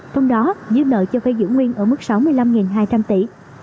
trong đó giữ nợ cho phê giữ nguyên ở mức sáu mươi năm hai trăm linh tỷ